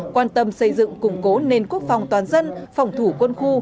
quan tâm xây dựng củng cố nền quốc phòng toàn dân phòng thủ quân khu